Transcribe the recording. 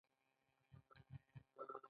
د دغو ټوټو خاوندان د فیوډالانو په نوم یادیدل.